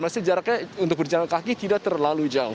masih jaraknya untuk berjalan kaki tidak terlalu jauh